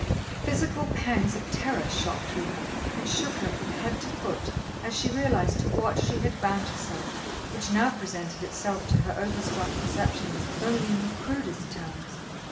Physical pangs of terror shot through her and shook her from head to foot as she realized to what she had bound herself, which now presented itself to her overstrung perceptions only in the crudest terms.